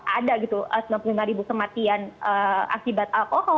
ada gitu sembilan puluh lima ribu kematian akibat alkohol